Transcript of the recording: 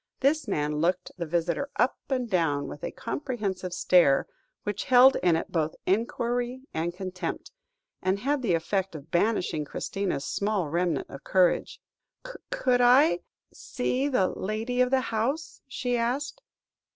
This man looked the visitor up and down with a comprehensive stare, which held in it both enquiry and contempt, and had the effect of banishing Christina's small remnant of courage. "Could I see the lady of the house?" she asked.